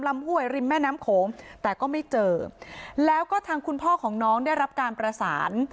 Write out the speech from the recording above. ห้วยริมแม่น้ำโขงแต่ก็ไม่เจอแล้วก็ทางคุณพ่อของน้องได้รับการประสาน